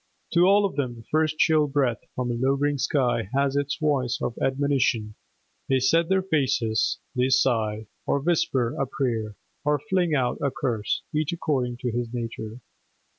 To all of them the first chill breath from a lowering sky has its voice of admonition; they set their faces; they sigh, or whisper a prayer, or fling out a curse, each according to his nature.